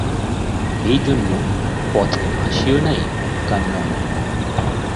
এইজন্য পথের হাসিও নাই, কান্নাও নাই।